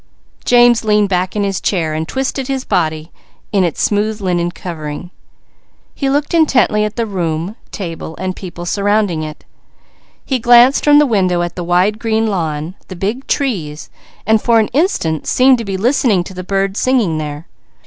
James leaned back in his chair, twisting his body in its smooth linen covering. He looked intently at the room, table and people surrounding it. He glanced from the window at the wide green lawn, the big trees, and for an instant seemed to be listening to the birds singing there.